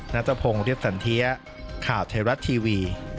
นัทพงศ์เรียบสันเทียข่าวไทยรัฐทีวี